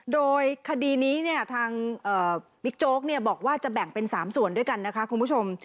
โดยคดีนี้เนี่ยทางบิ๊กโจ๊กบอกว่าจะแบ่งเป็น๓ส่วนด้วยกันนะคะคุณผู้ชม